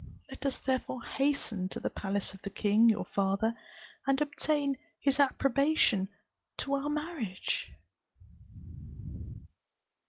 Let us therefore hasten to the palace of the king your father, and obtain his approbation to our marriage."